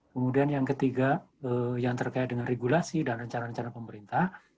kemudian yang ketiga yang terkait dengan regulasi dan rencana rencana pemerintah